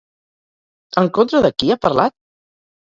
En contra de qui ha parlat?